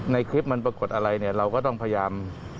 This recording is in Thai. ในคลิปมันปรากฏอะไรเนี่ยเราก็ต้องพยายาม